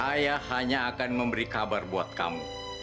saya hanya akan memberi kabar buat kamu